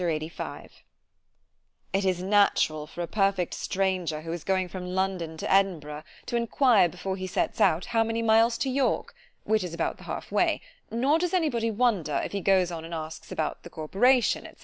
LXXXV IT is natural for a perfect stranger who is going from London to Edinburgh, to enquire before he sets out, how many miles to York; which is about the half way——nor does any body wonder, if he goes on and asks about the corporation, &c.